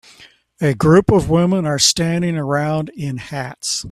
A group of women are standing around in hats